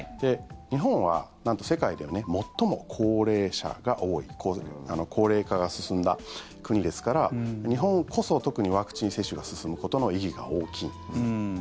日本はなんと世界では最も高齢者が多い高齢化が進んだ国ですから日本こそ特にワクチン接種が進むことの意義が大きいんです。